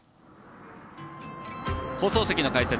放送席の解説